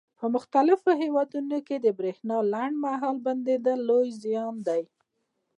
په پرمختللو هېوادونو کې د برېښنا لنډ مهاله بندېدل لوی زیان دی.